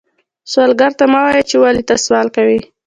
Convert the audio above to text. سوالګر ته مه وایې چې ولې ته سوال کوې